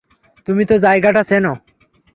তুমি তো জায়গাটা চেনো।